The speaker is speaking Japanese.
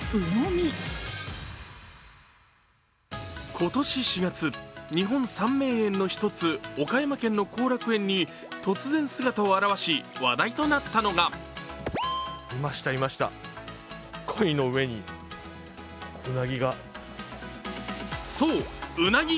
今年４月、日本三名園の１つ、岡山県の後楽園に突然姿を現し話題となったのがそう、うなぎ。